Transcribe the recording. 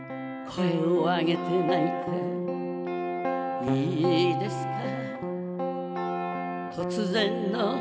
「声をあげて泣いていいですか」